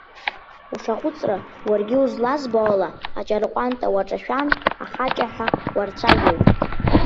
Ушаҟәыҵра, уаргьы узлазбо ала аҷарҟәанта уаҿашәан, ахаҷаҳәа уарцәажәоит!